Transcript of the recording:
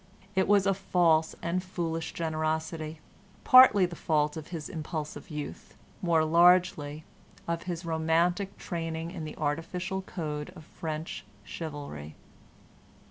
It was a false and foolish generosity, partly the fault of his impulsive youth more largely of his romantic training in the artificial code of French chivalry.